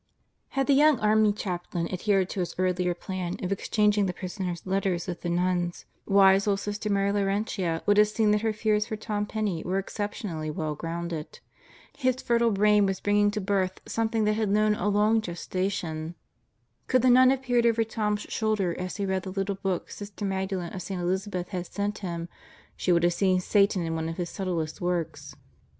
Had the young Army Chaplain adhered to his earlier plan of exchanging the prisoner's letters with the nuns, wise old Sister Mary Laurentia would have seen that her fears for Tom Penney were exceptionally well grounded. His fertile brain was bringing to birth something that had known a long gestation. Could the nun have peered over Tom's shoulder as he read the little book Sister Magdalen of St. Elizabeth had sent him she would have seen Satan in one of his subtlest works.